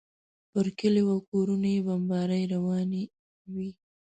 پر کلیو او کورونو یې بمبارۍ روانې وې.